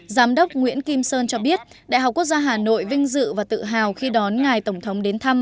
giám đốc nguyễn kim sơn cho biết đại học quốc gia hà nội vinh dự và tự hào khi đón ngài tổng thống đến thăm